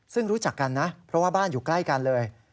ซึ่งรู้จักกันนะเพราะว่าบ้านอยู่ใกล้กันเลย